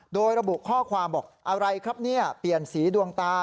โดยระบุข้อความบอกอะไรครับเนี่ยเปลี่ยนสีดวงตา